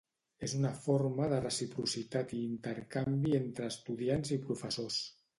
És una forma de reciprocitat i intercanvi entre estudiants i professors.